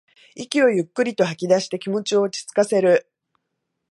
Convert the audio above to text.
息をゆっくりと吐きだして気持ちを落ちつかせる